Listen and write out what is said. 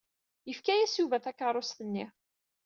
Yefka-as Yuba takeṛṛust-nni.